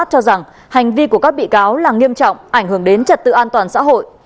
hành vi của các bị cáo là nghiêm trọng ảnh hưởng đến trật tự an toàn xã hội